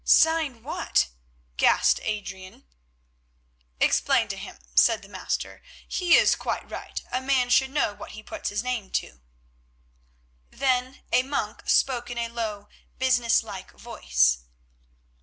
"Sign what?" gasped Adrian. "Explain to him," said the Master. "He is quite right; a man should know what he puts his name to." Then the monk spoke in a low, business like voice.